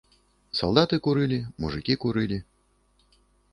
Салдаты курылі, мужыкі курылі.